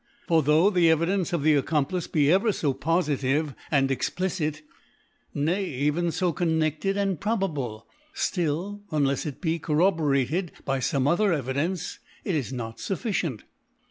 for though the Evidence of the Accomplice be" be ever (b pofitive and explicite, nay ever fo connefted and probable, dill, unlefs it be corroborated by fome other Evidence, it is not fufficient.